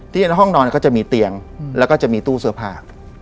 ในห้องนอนก็จะมีเตียงแล้วก็จะมีตู้เสื้อผ้า